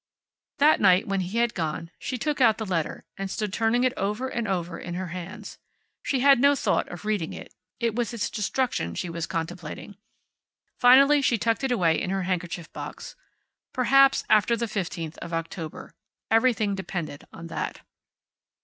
That night, when he had gone, she took out the letter and stood turning it over and over in her hands. She had no thought of reading it. It was its destruction she was contemplating. Finally she tucked it away in her handkerchief box. Perhaps, after the fifteenth of October. Everything depended on that.